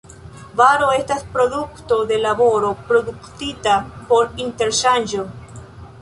Varo estas produkto de laboro, produktita por interŝanĝo.